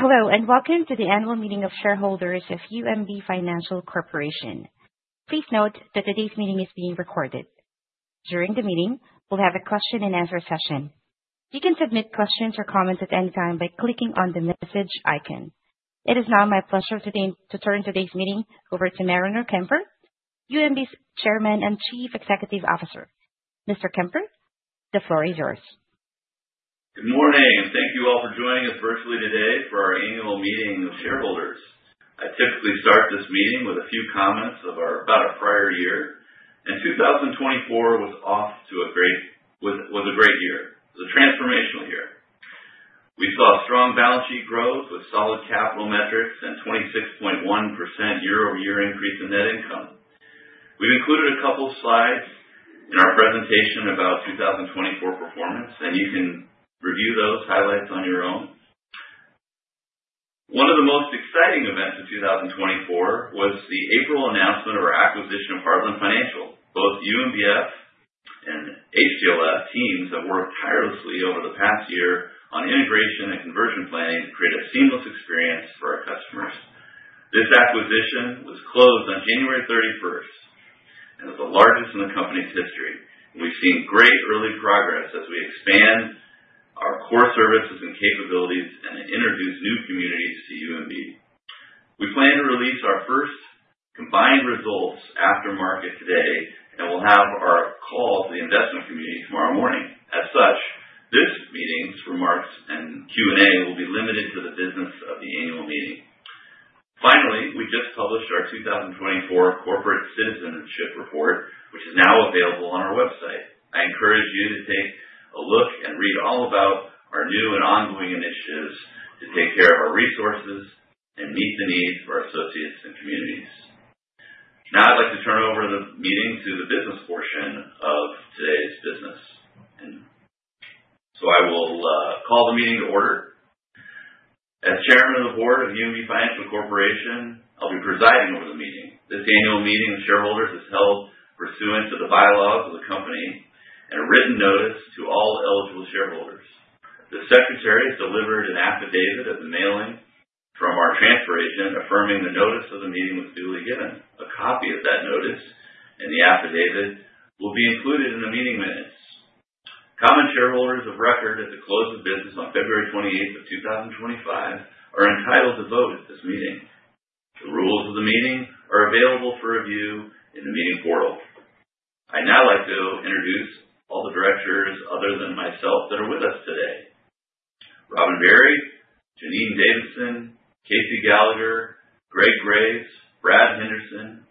Hello, and welcome to the annual meeting of shareholders of UMB Financial Corporation. Please note that today's meeting is being recorded. During the meeting, we'll have a question-and-answer session. You can submit questions or comments at any time by clicking on the message icon. It is now my pleasure to turn today's meeting over to Mariner Kemper, UMB's Chairman and Chief Executive Officer. Mr. Kemper, the floor is yours. Good morning. Thank you all for joining us virtually today for our annual meeting of shareholders. I typically start this meeting with a few comments about our prior year. 2024 was a great year. It was a transformational year. We saw strong balance sheet growth with solid capital metrics and a 26.1% year-over-year increase in net income. We have included a couple of slides in our presentation about 2024 performance, and you can review those highlights on your own. One of the most exciting events of 2024 was the April announcement of our acquisition of Heartland Financial USA, and both UMBF and HTLF teams have worked tirelessly over the past year on integration and conversion planning to create a seamless experience for our customers. This acquisition was closed on January 31 and is the largest in the company's history. We've seen great early progress as we expand our core services and capabilities and introduce new communities to UMB. We plan to release our first combined results after market today and will have our call to the investment community tomorrow morning. As such, this meeting's remarks and Q&A will be limited to the business of the annual meeting. Finally, we just published our 2024 Corporate Citizenship Report, which is now available on our website. I encourage you to take a look and read all about our new and ongoing initiatives to take care of our resources and meet the needs of our associates and communities. Now, I'd like to turn over the meeting to the business portion of today's business. I will call the meeting to order. As Chairman of the Board of UMB Financial Corporation, I'll be presiding over the meeting. This annual meeting of shareholders is held pursuant to the Bylaws of the company and a written notice to all eligible shareholders. The Secretary has delivered an affidavit of the mailing from our transfer agent affirming the notice of the meeting was duly given. A copy of that notice and the affidavit will be included in the meeting minutes. Common shareholders of record at the close of business on February 28th of 2025 are entitled to vote at this meeting. The rules of the meeting are available for review in the meeting portal. I'd now like to introduce all the directors other than myself that are with us today: Robin Beery, Janine Davidson, K.C. Gallagher, Greg Graves, Brad Henderson,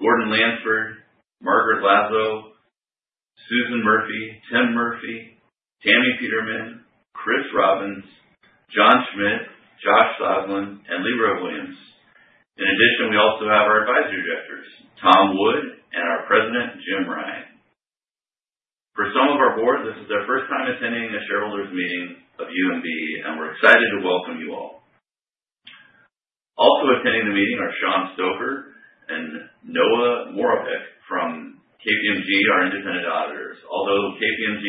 Gordon Lansford, Margaret Lazo, Susan Murphy, Tim Murphy, Tammy Peterman, Kris Robbins, John Schmidt, Josh Sosland, and L. Ibraheem Williams. In addition, we also have our advisory directors, Tom Wood, and our President, Jim Rine. For some of our board, this is their first time attending a shareholders' meeting of UMB, and we're excited to welcome you all. Also attending the meeting are Sean Stoker and Noah Moravec from KPMG, our independent auditors. Although KPMG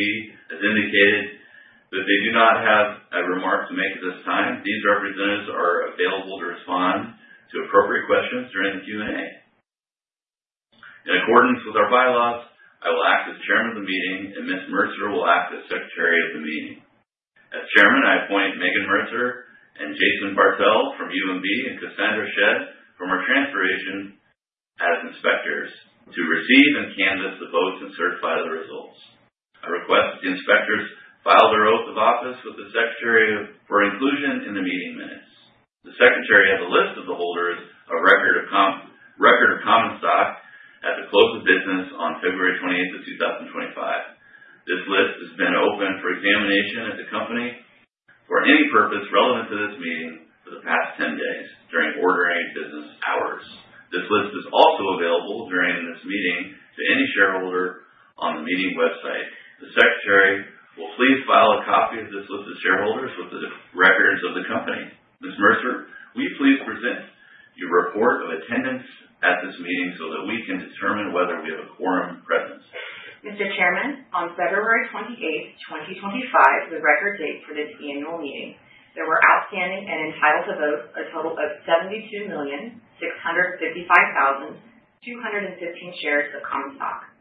has indicated that they do not have a remark to make at this time, these representatives are available to respond to appropriate questions during the Q&A. In accordance with our bylaws, I will act as Chairman of the meeting, and Ms. Mercer will act as Secretary of the meeting. As Chairman, I appoint Megan Mercer and Jason Bartel from UMB, and Cassandra Shedd from our transfer agent as inspectors to receive and canvass the votes and certify the results. I request that the inspectors file their oath of office with the Secretary for inclusion in the meeting minutes. The Secretary has a list of the holders of record of common stock at the close of business on February 28th of 2025. This list has been open for examination at the company for any purpose relevant to this meeting for the past 10 days during ordinary business hours. This list is also available during this meeting to any shareholder on the meeting website. The Secretary will please file a copy of this list of shareholders with the records of the company. Ms. Mercer, will you please present your report of attendance at this meeting so that we can determine whether we have a quorum presence? Mr. Chairman, on February 28th, 2025, the record date for this annual meeting, there were outstanding and entitled to vote a total of 72,655,215 shares of common stock.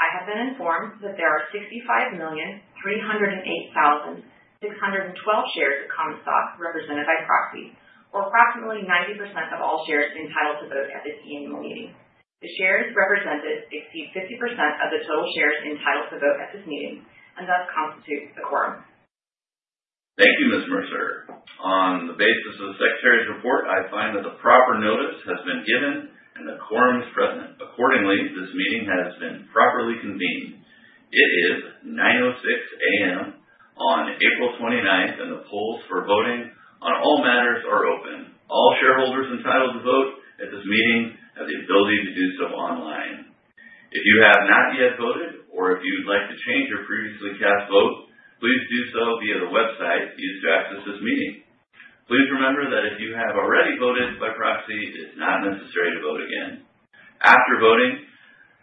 I have been informed that there are 65,308,612 shares of common stock represented by proxy, or approximately 90% of all shares entitled to vote at this annual meeting. The shares represented exceed 50% of the total shares entitled to vote at this meeting and thus constitute the quorum. Thank you, Ms. Mercer. On the basis of the Secretary's report, I find that the proper notice has been given and the quorum is present. Accordingly, this meeting has been properly convened. It is 9:06 A.M. on April 29th, and the polls for voting on all matters are open. All shareholders entitled to vote at this meeting have the ability to do so online. If you have not yet voted, or if you'd like to change your previously cast vote, please do so via the website used to access this meeting. Please remember that if you have already voted by proxy, it's not necessary to vote again. After voting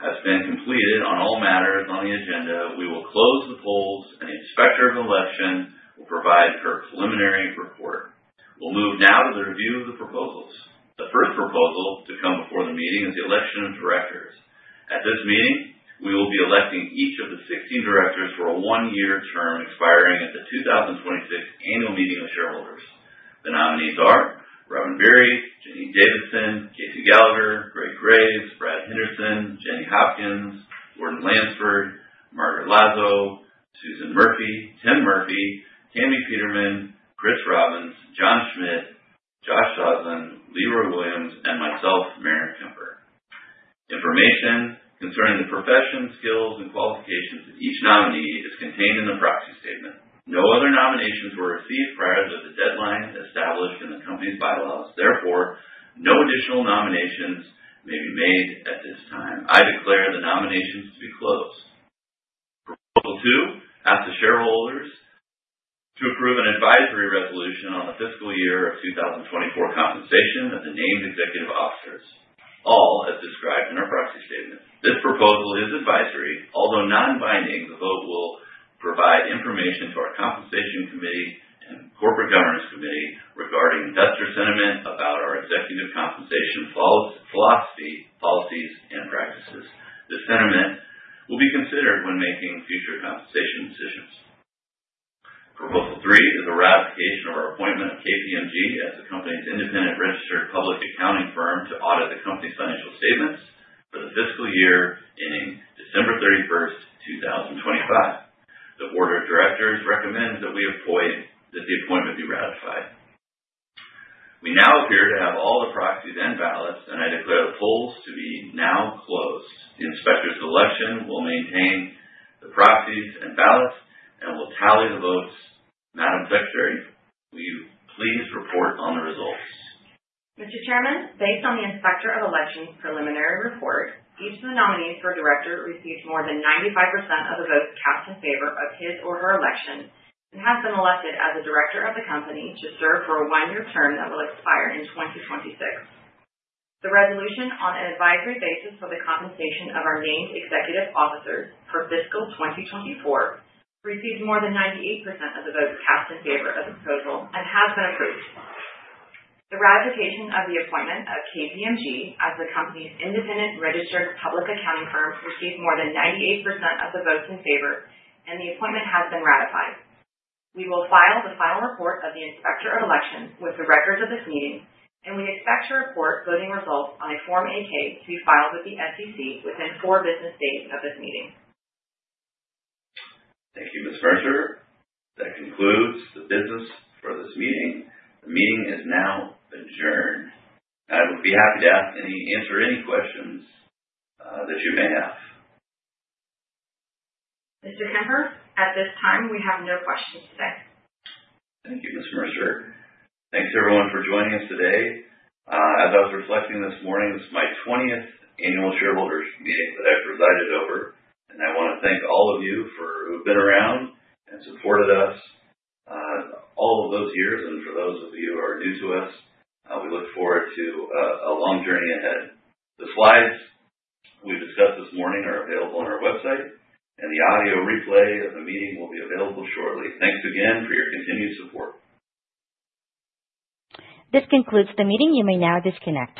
has been completed on all matters on the agenda, we will close the polls, and the Inspector of Election will provide her preliminary report. We'll move now to the review of the proposals. The first proposal to come before the meeting is the election of directors. At this meeting, we will be electing each of the 16 directors for a one-year term expiring at the 2026 annual meeting of shareholders. The nominees are Robin Beery, Janine Davidson, K.C. Gallagher, Greg Graves, Brad Henderson, Jenny Hopkins, Gordon Lansford, Margaret Lazo, Susan Murphy, Tim Murphy, Tammy Peterman, Kris Robbins, John Schmidt, Josh Sosland, L. Ibraheem Williams, and myself, Mariner Kemper. Information concerning the profession, skills, and qualifications of each nominee is contained in the proxy statement. No other nominations were received prior to the deadline established in the company's bylaws. Therefore, no additional nominations may be made at this time. I declare the nominations to be closed. Proposal two asks the shareholders to approve an advisory resolution on the fiscal year of 2024 compensation of the named executive officers, all as described in our proxy statement. This proposal is advisory. Although non-binding, the vote will provide information to our Compensation Committee and Corporate Governance Committee regarding investor sentiment about our executive compensation philosophy, policies, and practices. This sentiment will be considered when making future compensation decisions. Proposal three is the ratification of our appointment of KPMG as the company's independent registered public accounting firm to audit the company's financial statements for the fiscal year ending December 31, 2025. The board of directors recommends that the appointment be ratified. We now appear to have all the proxies and ballots, and I declare the polls to be now closed. The Inspectors of Election will maintain the proxies and ballots and will tally the votes. Madam Secretary, will you please report on the results? Mr. Chairman, based on the Inspector of Election's preliminary report, each of the nominees for director received more than 95% of the votes cast in favor of his or her election and has been elected as a director of the company to serve for a one-year term that will expire in 2026. The resolution on an advisory basis for the compensation of our named executive officers for fiscal 2024 received more than 98% of the votes cast in favor of the proposal and has been approved. The ratification of the appointment of KPMG as the company's independent registered public accounting firm received more than 98% of the votes in favor, and the appointment has been ratified. We will file the final report of the Inspector of Election with the records of this meeting, and we expect to report voting results on a Form 8-K to be filed with the SEC within four business days of this meeting. Thank you, Ms. Mercer. That concludes the business for this meeting. The meeting is now adjourned. I would be happy to answer any questions that you may have. Mr. Kemper, at this time, we have no questions today. Thank you, Ms. Mercer. Thanks everyone for joining us today. As I was reflecting this morning, this is my 20th annual shareholders' meeting that I've presided over, and I want to thank all of you who have been around and supported us all of those years. For those of you who are new to us, we look forward to a long journey ahead. The slides we discussed this morning are available on our website, and the audio replay of the meeting will be available shortly. Thanks again for your continued support. This concludes the meeting. You may now disconnect.